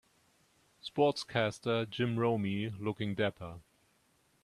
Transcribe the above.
Sportscaster Jim Rome looking dapper